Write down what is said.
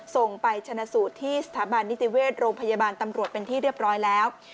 ส่งไปชนะสูตรที่สถาบันนิติเวชโรงพยาบาลตำรวจเป็นที่เรียบร้อยแล้ว